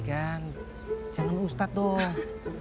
dua jalan mengusahakan